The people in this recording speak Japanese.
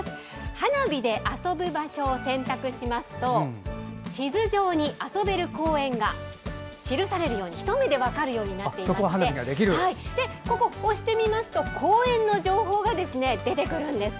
花火で遊ぶ場所を選択しますと地図上に遊べる公園が記されるように一目で分かるようになっていましてここを押してみますと公園の情報が出てくるんです。